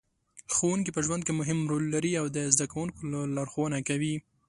ښوونکې په ژوند کې مهم رول لري او د زده کوونکو لارښوونه کوي.